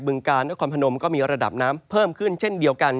การนครพนมก็มีระดับน้ำเพิ่มขึ้นเช่นเดียวกัน